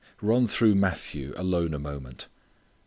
Run through Matthew alone a moment.